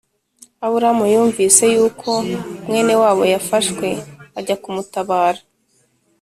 Aburamu yumvise yuko mwene wabo yafashwe ajya kumutabara